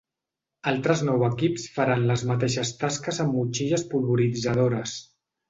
Altres nou equips faran les mateixes tasques amb motxilles polvoritzadores.